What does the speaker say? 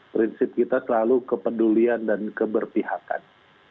prinsip kita selalu kepedulian dan keberpihakan